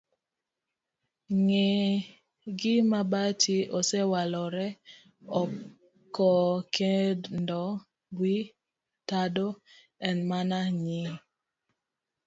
Ng'eny gi mabati osewalore oko kendo wi tado en mana nying.